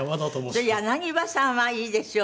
「柳葉さん」はいいですよね。